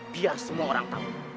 biar semua orang tahu